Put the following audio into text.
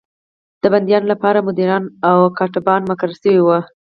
د بندیانو لپاره مدیران او کاتبان مقرر شوي وو.